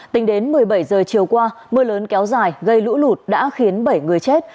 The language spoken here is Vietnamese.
tính đến một mươi bảy giờ chiều qua mưa lớn kéo dài gây lũ lụt đã khiến bảy người chết